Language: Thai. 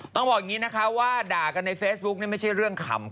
ต้องบอกอย่างนี้นะคะว่าด่ากันในเฟซบุ๊กนี่ไม่ใช่เรื่องขำ